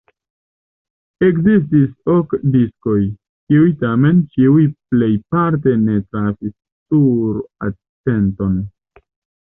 Ekestis ok diskoj, kiuj tamen ĉiuj plejparte ne trafis sur atenton.